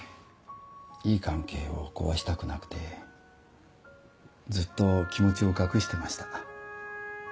いい関係を壊したくなくてずっと気持ちを隠してました。